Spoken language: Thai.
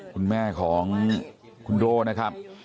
คุณแม่ของคุณโด่นะครับ